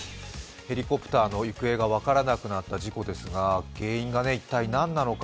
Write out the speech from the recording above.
ヘリコプターの行方が分からなくなった事故ですが原因が一体、何なのか